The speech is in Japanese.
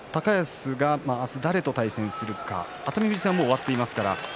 高安は明日、誰と対戦するのか熱海富士戦はもう終わっています。